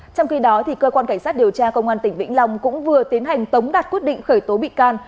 trong khi đó cơ quan cảnh sát điều tra công an tỉnh vĩnh long cũng vừa tiến hành tống đặt quyết định khởi tố bị can